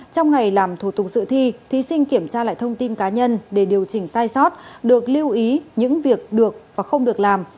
trong ngày làm thủ tục dự thi thí sinh kiểm tra lại thông tin cá nhân để điều chỉnh sai sót được lưu ý những việc được và không được làm